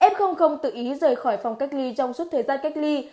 f tự ý rời khỏi phòng cách ly trong suốt thời gian cách ly